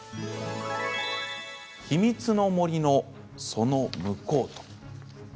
「秘密の森の、その向こう」。